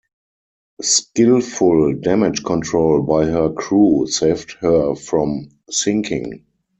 Skillful damage control by her crew saved her from sinking.